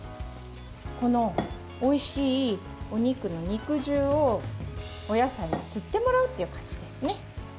この、おいしいお肉の肉汁をお野菜に吸ってもらうという感じですね。